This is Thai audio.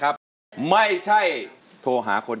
ตัดสินใจให้ดี